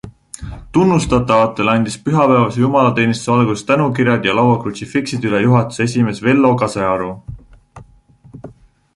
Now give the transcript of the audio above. Tunnustatavatele andis pühapäevase jumalateenistuse alguses tänukirjad ja lauakrutsifiksid üle juhatuse esimees Vello Kasearu.